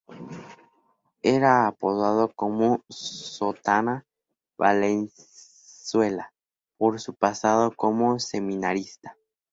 Era apodado como "Sotana Valenzuela", por su pasado como seminarista.